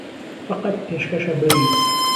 فهقهت پێشکهشه به وی